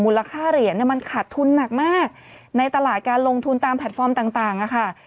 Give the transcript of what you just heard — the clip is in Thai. ค่าเหรียญเนี่ยมันขาดทุนหนักมากในตลาดการลงทุนตามแพลตฟอร์มต่างค่ะ